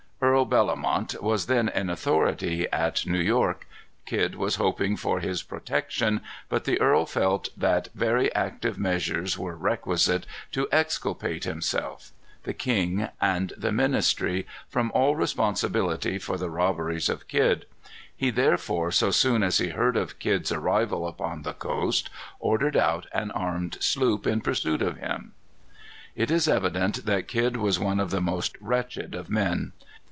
Earl Bellomont was then in authority at New York. Kidd was hoping for his protection. But the earl felt that very active measures were requisite to exculpate himself, the king, and the ministry from all responsibility for the robberies of Kidd. He therefore, so soon as he heard of Kidd's arrival upon the coast, ordered out an armed sloop in pursuit of him. It is evident that Kidd was then one of the most wretched of men.